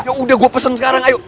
ya udah gue pesen sekarang ayo